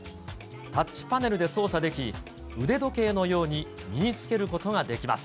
タッチパネルで操作でき、腕時計のように身に着けることができます。